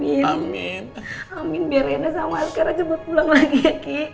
biar rena sama asghar cepet pulang lagi